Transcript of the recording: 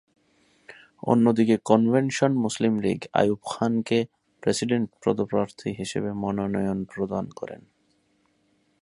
অন্যদিকে Convention Muslim League Ayub খানকে president পদপ্রার্থী হিসাবে মনোনয়ন প্রদান করে।